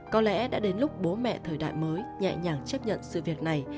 có lẽ đã đến lúc bố mẹ thời đại mới nhẹ nhàng chấp nhận sự việc này